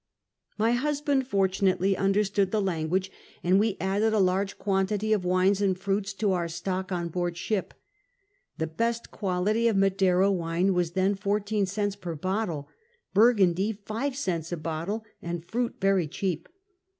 My husband, fortunately, understood the language, and we added a large quantity of wines and fruits to our stock on board ship. The best quality of Madeira wine was then fourteen cents per bottle. Bur gundy, five cents a bottle, and fruit very cheap